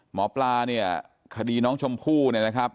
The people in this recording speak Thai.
หมอปลาเนี่ยคดีน้องชมพู่เนี่ยนะครับ